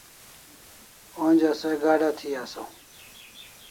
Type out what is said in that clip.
Onja se gada thi asaw